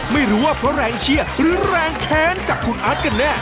ไม่ร่วมว่าเพราะแรงเชี่ยรึแรงแขนกับขุนอัดก็แน่